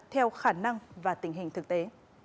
theo khả năng và tình hình thực tế